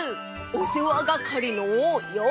おせわがかりのようせい！